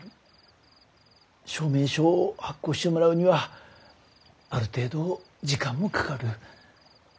証明書を発行してもらうにはある程度時間もかかる。